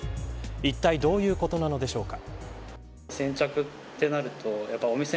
いったいどういうことなのでしょうか。